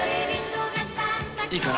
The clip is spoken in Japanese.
いいかな？